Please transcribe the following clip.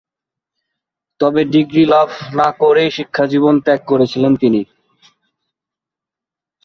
তবে, ডিগ্রী লাভ না করেই শিক্ষাজীবন ত্যাগ করেছিলেন তিনি।